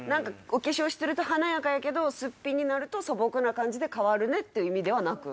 お化粧してると華やかやけどスッピンになると素朴な感じで変わるねっていう意味ではなく？